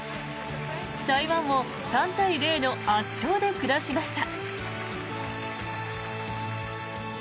台湾を３対０の圧勝で下しました。